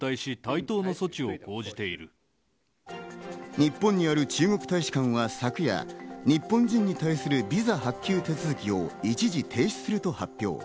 日本による中国大使館は昨夜、日本人に対するビザ発給手続きを一時停止すると発表。